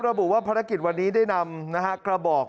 ระบุว่าภารกิจวันนี้ได้นำกระบอก